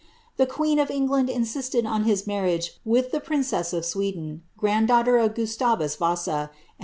The queeo of England insisted on his marrinue with the princess of Sweden, srar.d diiughier of Gustavus Vusa, and.